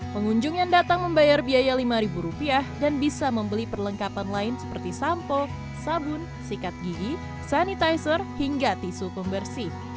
pengunjung yang datang membayar biaya lima rupiah dan bisa membeli perlengkapan lain seperti sampo sabun sikat gigi sanitizer hingga tisu pembersih